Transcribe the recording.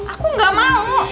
aku gak mau